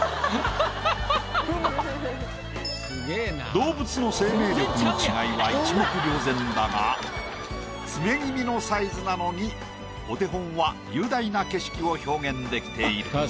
動物の生命力の違いは一目瞭然だが詰め気味のサイズなのにお手本は雄大な景色を表現できている。